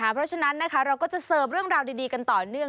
เพราะฉะนั้นนะคะเราก็จะเสิร์ฟเรื่องราวดีกันต่อเนื่อง